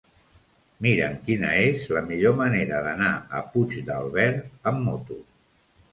Mira'm quina és la millor manera d'anar a Puigdàlber amb moto.